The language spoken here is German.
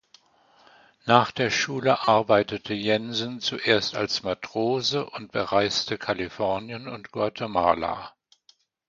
Nach der Schule arbeitete Jensen zuerst als Matrose und bereiste Kalifornien und Guatemala.